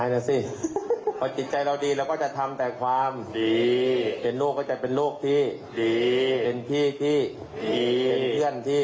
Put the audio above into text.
และเราจะไม่ตายดี